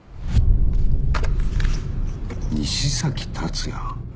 西崎竜也？